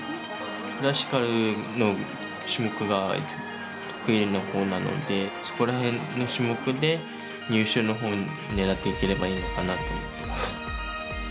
クラシカルの種目が得意なほうなのでそこらへんの種目で入賞のほうを狙っていければいいのかなと思ってます。